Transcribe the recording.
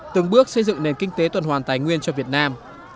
từng bước xây dựng nền kinh tế tuần hoàn tài nguyên cho việt nam